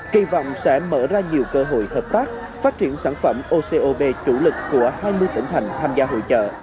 kỳ vọng sẽ mở ra nhiều cơ hội hợp tác phát triển sản phẩm ocob chủ lực của hai mươi tỉnh thành tham gia hội trợ